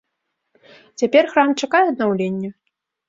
Цяпер храм чакае аднаўленне.